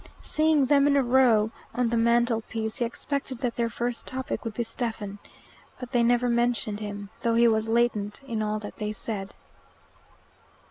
Seeing them in a row on the mantelpiece, he expected that their first topic would be Stephen. But they never mentioned him, though he was latent in all that they said.